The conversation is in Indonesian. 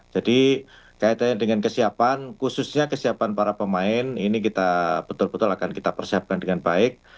jadi kaitannya dengan kesiapan khususnya kesiapan para pemain ini kita betul betul akan kita persiapkan dengan baik